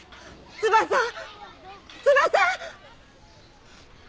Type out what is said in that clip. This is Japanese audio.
翼翼。